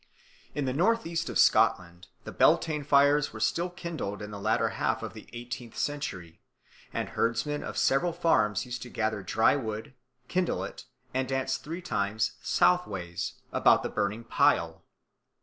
In the north east of Scotland the Beltane fires were still kindled in the latter half of the eighteenth century; the herdsmen of several farms used to gather dry wood, kindle it, and dance three times "southways" about the burning pile.